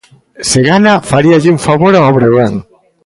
Se gana, faríalle un favor ao Breogán.